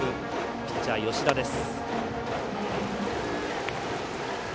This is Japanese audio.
ピッチャー、吉田です。